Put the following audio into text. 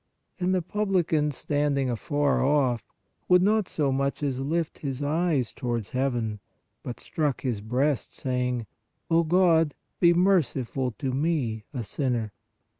And the publican, standing afar off, would not so much as lift up his eyes towards heaven, but struck his breast, saying: O God, be merciful to me, a sinner.